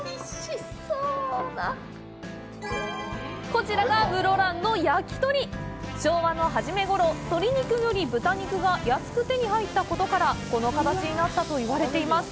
こちらが室蘭のやきとり昭和の初めごろ、鶏肉より豚肉が安く手に入ったことからこの形になったといわれています。